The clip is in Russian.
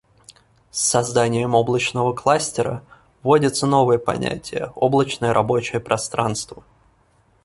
С созданием облачного кластера вводится новое понятие: «Облачное рабочее пространство»